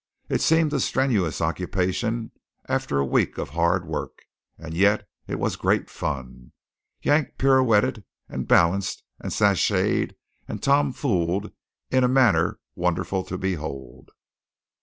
It seemed a strenuous occupation after a week of hard work, and yet it was great fun. Yank pirouetted and balanced and "sasshayed" and tom fooled in a manner wonderful to behold.